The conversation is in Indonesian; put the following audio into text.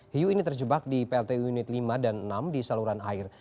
hiu ini terjebak di pltu unit lima dan enam di saluran air